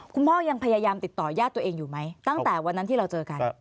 คุณพ่อยังพยายามติดต่อญาติตัวเองอยู่ไหมตั้งแต่วันนั้นที่เราเจอกัน